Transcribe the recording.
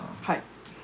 はい。